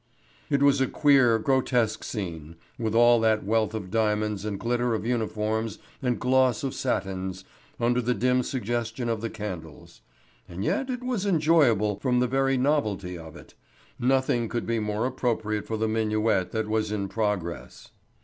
It was a queer, grotesque scene, with all that wealth of diamonds and glitter of uniforms and gloss of satins, under the dim suggestion of the candles. And yet it was enjoyable from the very novelty of it. Nothing could be more appropriate for the minuet that was in progress.